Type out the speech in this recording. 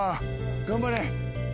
頑張れ。